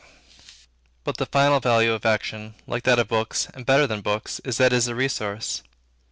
But the final value of action, like that of books, and better than books, is, that it is a resource.